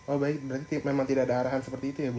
oh baik berarti memang tidak ada arahan seperti itu ya bu